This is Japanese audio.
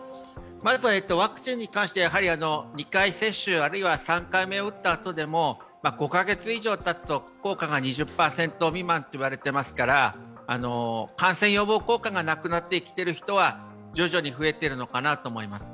ワクチンに関しては２回接種、あるいは３回目打った人でも５カ月以上たつと効果が２０％未満と言われていますから、感染予防効果がなくなってきている人は徐々に増えてきてるのかなと思います。